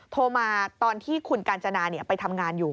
โทรมาตอนที่คุณกาญจนาไปทำงานอยู่